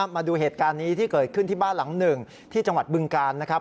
มาดูเหตุการณ์นี้ที่เกิดขึ้นที่บ้านหลังหนึ่งที่จังหวัดบึงกาลนะครับ